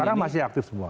sekarang masih aktif semua